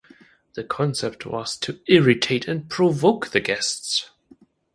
The concept was to irritate and provoke the guests.